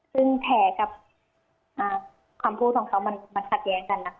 ซึ่งแผลกับคำพูดของเขามันขัดแย้งกันนะคะ